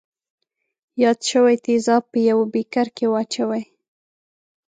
یاد شوي تیزاب په یوه بیکر کې واچوئ.